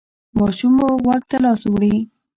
ماشوم مو غوږ ته لاس وړي؟